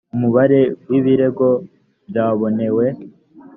umubare w ibirego byabonewe